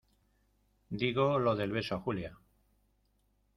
digo lo del beso a Julia.